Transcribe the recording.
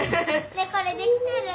ねえこれできてる？